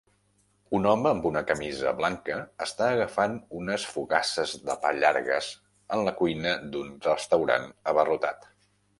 Un home amb una camisa blanca està agafant unes fogasses de pa llargues en la cuina d"un restaurant abarrotat.